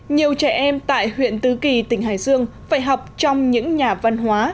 nhiều trẻ em tại huyện tứ kỳ tỉnh hải dương phải học trong những nhà văn hóa